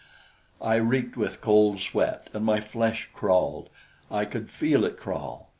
I reeked with cold sweat, and my flesh crawled I could feel it crawl.